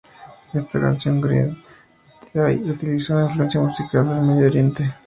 En esta canción, Green Day utilizó una influencia musical del Medio Oriente.